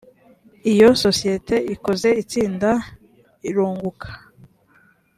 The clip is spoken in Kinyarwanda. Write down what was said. iyo sosiyete ikoze itsinda irunguka